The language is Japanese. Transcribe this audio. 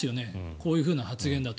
こういうふうな発言だと。